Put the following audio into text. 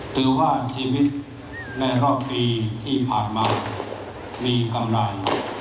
ถือว่าชีวิตในรอบปีที่ผ่านมามีกำลัง